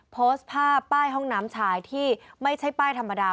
โพสต์ภาพป้ายห้องน้ำชายที่ไม่ใช่ป้ายธรรมดา